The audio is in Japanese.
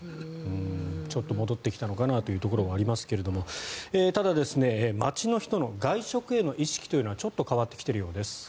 ちょっと戻ってきたのかなというところはありますがただ、街の人の外食への意識というのはちょっと変わってきているようです。